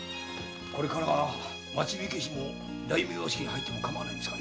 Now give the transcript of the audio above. これからは町火消しも大名屋敷に入ってもかまわないんですか？